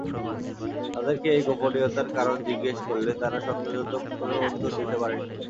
তাদেরকে এই গোপনীয়তার কারণ জিজ্ঞেস করলে তারা সন্তোষজনক কোন উত্তর দিতে পারে নি।